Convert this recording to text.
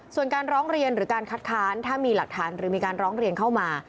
ส่วนการร้องเรียนหรือการคัดค้านถ้ามีหลักฐานหรือมีการร้องเรียนเข้ามา